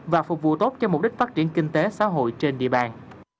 và phục vụ tốt cho mục đích phát triển kinh tế xã hội trên địa bàn